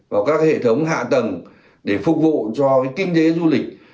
vào các hệ thống hạ tầng để phục vụ cho kinh tế du lịch